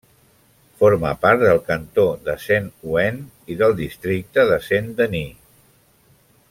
Forma part del cantó de Saint-Ouen i del districte de Saint-Denis.